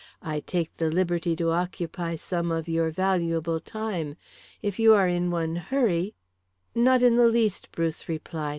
"I take the liberty to occupy some of your valuable time. If you are in one hurry " "Not in the least," Bruce replied.